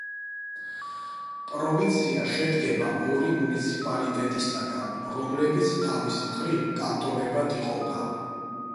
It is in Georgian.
პროვინცია შედგება ორი მუნიციპალიტეტისაგან, რომლებიც თავის მხრივ კანტონებად იყოფა.